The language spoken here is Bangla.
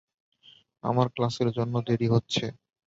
আমার ক্লাসের জন্য দেরি হচ্ছে।